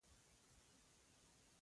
بابا د ځوانۍ له مهاله شعر هم وایه.